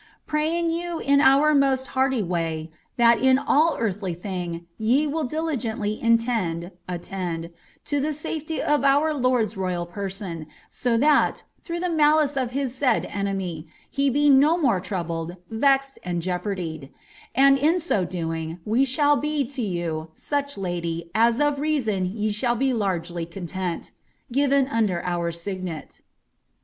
Praying you in our most hearty way that in all earthly thing ye will diligently initnd (attend) to the safety of my lord's royal person, so that, through the malice of his said enemy, be be no more troubled, vexed, and jeoparded ; and in so doing, we shall be to you, such lady, as of reason ye shall be largely content. Given imder our signet."